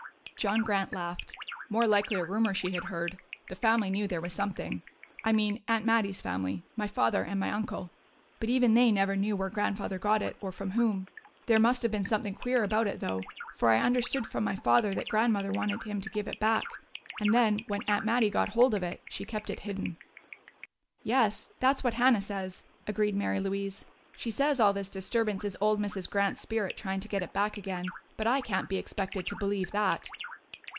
John Grant laughed. "More likely a rumor she had heard. The family knew there was something I mean Aunt Mattie's family my father and my uncle. But even they never knew where Grandfather got it or from whom. There must have been something queer about it, though, for I understood from my father that Grandmother wanted him to give it back. And then, when Aunt Mattie got hold of it, she kept it hidden." "Yes, that's what Hannah says," agreed Mary Louise. "She says all this disturbance is old Mrs. Grant's spirit trying to get it back again. But I can't be expected to believe that."